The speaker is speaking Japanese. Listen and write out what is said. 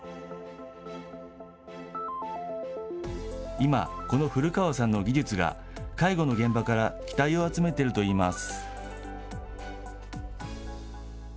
今、この古川さんの技術が、介護の現場から期待を集めているといいます。